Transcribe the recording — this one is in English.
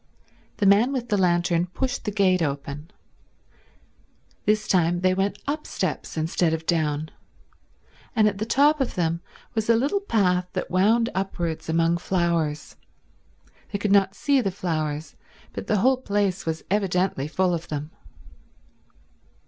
The man with the lantern pushed the gate open. This time they went up steps instead of down, and at the top of them was a little path that wound upwards among flowers. They could not see the flowers, but the whole place was evidently full of them.